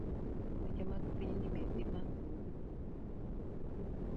Weche mag pinyin be dimak dhogi